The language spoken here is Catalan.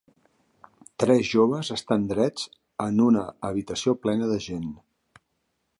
Tres joves estan drets en una habitació plena de gent